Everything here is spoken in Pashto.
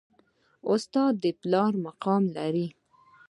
استاد د پلار مقام لري